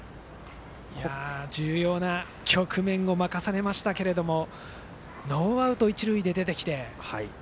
重要な局面を任されましたけどもノーアウト一塁で出てきて。